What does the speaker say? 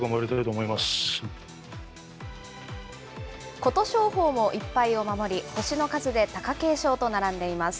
琴勝峰も１敗を守り、星の数で貴景勝と並んでいます。